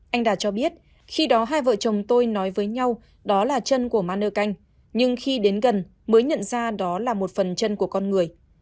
anh đạt cho biết khi đó hai vợ chồng tôi nói với nhau đó là chân của mano canh nhưng khi đến gần mới nhận ra đó là một phần chân của con người